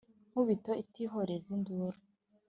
Nkubito itihoreza induru,